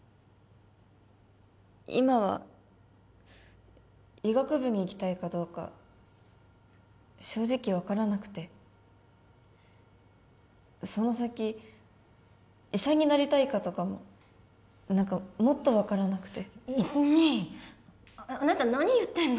今は医学部に行きたいかどうか正直分からなくてその先医者になりたいかとかも何かもっと分からなくて泉あなた何言ってるの？